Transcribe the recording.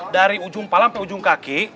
dari ujung palang ke ujung kaki